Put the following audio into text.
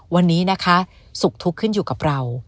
วันนี้นะคะสุขทุกข์ขึ้นอยู่กับเรา